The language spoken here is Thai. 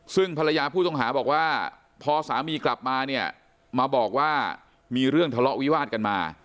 ซึ่งภรรยาผู้ต้องหาบอกว่าพอสามีกลับมาเนี่ยมาบอกว่ามีเรื่องทะเลาะวิวาดกันมา